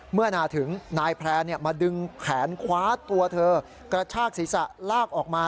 เมื่อนาถึงนายแพร่มาดึงแขนคว้าตัวเธอกระชากศีรษะลากออกมา